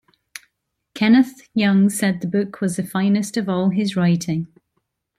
Kenneth Young said the book was "the finest of all his writing".